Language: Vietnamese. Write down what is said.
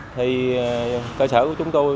thì cơ sở của chúng tôi